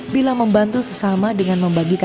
bila membantu sesama dengan membagi rezeki